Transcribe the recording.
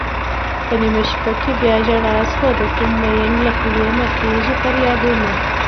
په نېمه شپه کې بياژړا سوه دکوم مين له خولې نه خيژي فريادونه